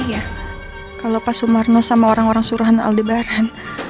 ya kalau pak sumarno sama orang orang suruhan aldebaran